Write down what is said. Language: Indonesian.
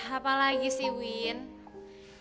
apalagi sih win